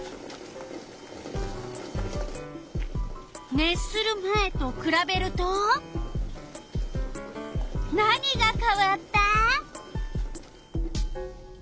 熱する前とくらべると何がかわった？